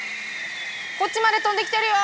こっちまで飛んできてるよ